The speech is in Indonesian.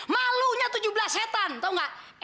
malunya tujuh belas setan tau enggak